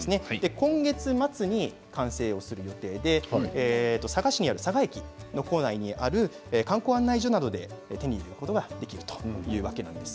今月末に完成する予定で佐賀駅の構内にある観光案内図で手に入れることができるそうです。